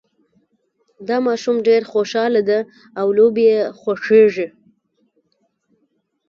دا ماشوم ډېر خوشحاله ده او لوبې یې خوښیږي